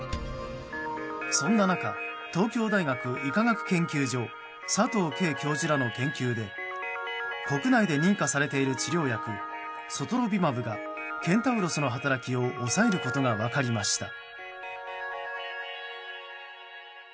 そんな中、東京大学医科学研究所佐藤佳教授らの研究で国内で認可されている治療薬ソトロビマブがケンタウロスの働きを抑えることが分かりました。